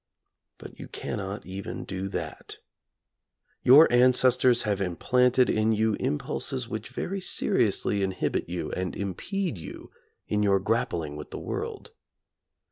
But you cannot even do that. Your ancestors have im planted in you impulses which very seriously in hibit you and impede you in your grappling with the world.